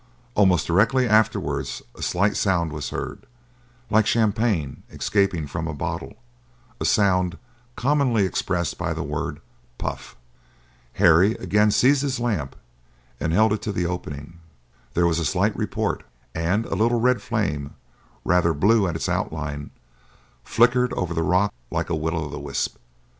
Almost directly afterwards a slight sound was heard, like champagne escaping from a bottle—a sound commonly expressed by the word "puff." Harry again seized his lamp, and held it to the opening. There was a slight report; and a little red flame, rather blue at its outline, flickered over the rock like a Will o' the Wisp.